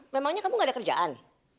memangnya kamu gak ada kerjaan